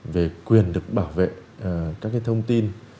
về quyền được bảo vệ các thông tin